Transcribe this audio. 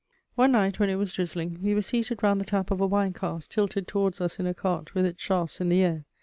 One night, when it was drizzling, we were seated round the tap of a wine cask tilted towards us in a cart with its shafts in the air.